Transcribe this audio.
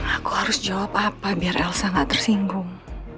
aku harus jawab apa biar elsa enggak tersinggung